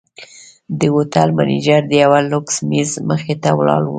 د هوټل منیجر د یوه لوکس میز مخې ته ولاړ و.